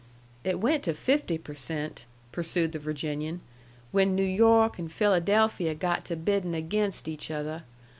"It went to fifty per cent," pursued the Virginian, "when New York and Philadelphia got to biddin' agaynst each other.